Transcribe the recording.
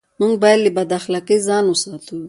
موږ بايد له بد اخلاقۍ ځان و ساتو.